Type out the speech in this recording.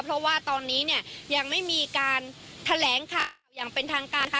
เพราะว่าตอนนี้เนี่ยยังไม่มีการแถลงข่าวอย่างเป็นทางการค่ะ